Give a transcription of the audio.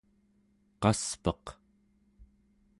qaspeq